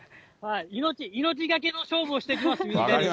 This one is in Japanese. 命懸けの勝負をしてきます、ミニタニは。